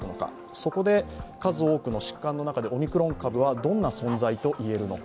そこで数多くの疾患の中でオミクロン株はどんな存在と言えるのか。